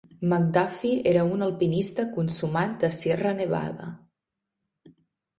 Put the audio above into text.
McDuffie era un alpinista consumat de Sierra Nevada.